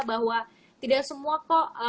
bahwa tidak semua kok